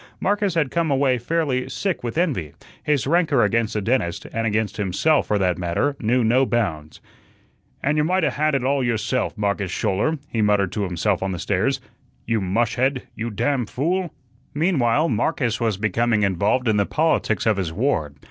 Marcus had come away fairly sick with envy; his rancor against the dentist and against himself, for that matter knew no bounds. "And you might 'a' had it all yourself, Marcus Schouler," he muttered to himself on the stairs. "You mushhead, you damn fool!" Meanwhile, Marcus was becoming involved in the politics of his ward.